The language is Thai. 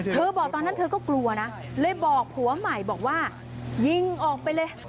บอกตอนนั้นเธอก็กลัวนะเลยบอกผัวใหม่บอกว่ายิงออกไปเลย